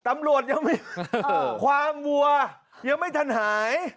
ตำรวจยังไม่ความวัวยังไม่ทันหาย